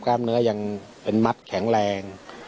กล้ามเนื้อยังเป็นมัดแข็งแรง